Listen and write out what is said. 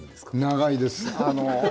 長いです。